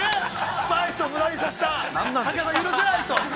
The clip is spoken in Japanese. スパイスを無駄にさせた、武田さんが許せないと。